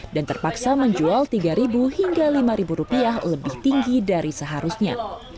dan terpaksa menjual rp tiga hingga rp lima lebih tinggi dari seharusnya